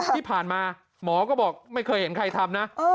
ที่ผ่านมาหมอก็บอกไม่เคยเห็นใครทำนะ